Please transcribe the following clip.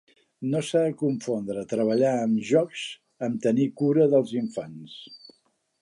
No s'ha de confondre treballar amb jocs amb tenir cura dels infants.